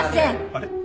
あれ？